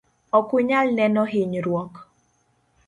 okunyal neno hinyruok.